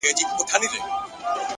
مثبت فکر د ذهن رڼا زیاتوي